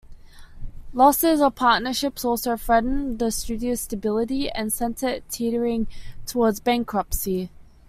Losses of partnerships also threatened the studio's stability and sent it teetering towards bankruptcy.